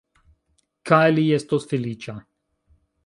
Kaj li estos feliĉa!